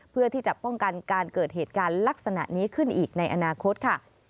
เพื่อที่จะป้องกันการเกิดเหตุการณ์ลักษณะนี้ขึ้นอีกในอนาคตค่ะ